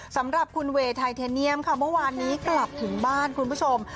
สำหรับคุณเวย์ไทเทเนียมค่ะเมื่อวานนี้กลับถึงบ้านคุณผู้ชม